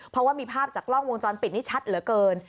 เพราะว่ามีภาพจากกล้องวงจรปิดนี่ชัดเหลือเกิน